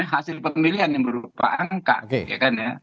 hasil pemilihan yang berupa angka ya kan ya